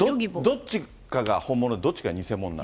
どっちかが本物でどっちかが偽物。